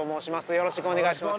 よろしくお願いします。